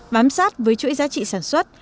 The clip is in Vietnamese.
vám sát với chuỗi giá trị sản xuất